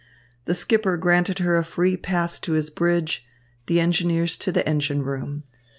The skipper granted her a free pass to his bridge, the engineers to the engine room.